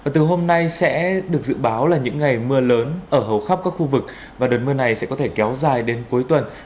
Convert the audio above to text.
từ hôm nay sẽ được dự báo là những ngày mưa lớn ở hầu khắp các khu vực và đợt mưa này sẽ có thể kéo dài đến cuối tuần